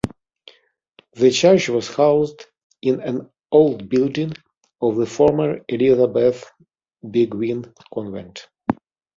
The church was housed in an old building of the former Elisabeth Beguine Convent.